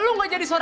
tunggu dulu ow